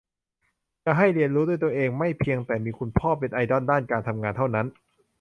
จะให้เรียนรู้ด้วยตัวเอง ไม่เพียงแต่มีคุณพ่อเป็นไอดอลด้านการทำงานเท่านั้น